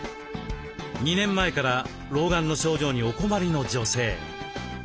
２年前から老眼の症状にお困りの女性。